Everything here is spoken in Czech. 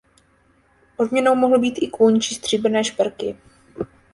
Odměnou mohl být i kůň či stříbrné šperky.